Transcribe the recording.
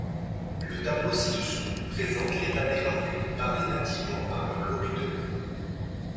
Le tableau ci-dessous présente l'état des langues les plus parlées nativement par leur locuteur.